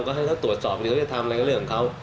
ก็ให้เขาตรวจสอบเดี๋ยวจะทำอะไรก็เรื่องของเขา